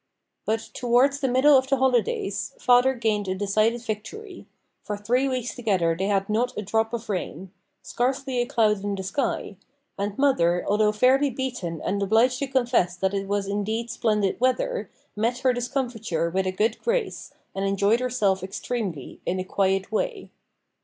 But, towards the middle of the holidays, father gained a decided victory. For three weeks together they had not a drop of rain scarcely a cloud in the sky; and mother, although fairly beaten and obliged to confess that it was indeed splendid weather, met her discomfiture with a good grace, and enjoyed herself extremely, in a quiet way.